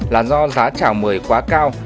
là do giá trảo mười quá cao